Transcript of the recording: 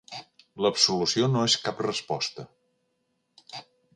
L'absolució no és cap resposta.